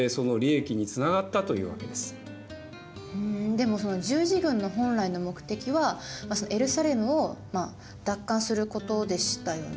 でもその十字軍の本来の目的はエルサレムを奪還することでしたよね。